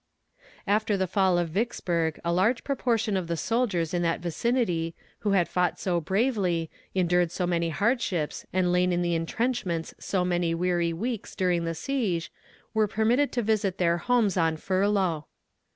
After the fall of Vicksburg a large proportion of the soldiers in that vicinity, who had fought so bravely, endured so many hardships, and lain in the entrenchments so many weary weeks during the siege, were permitted to visit their homes on furlough.